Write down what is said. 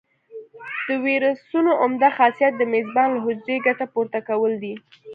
د ویروسونو عمده خاصیت د میزبان له حجرې ګټه پورته کول دي.